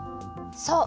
そう。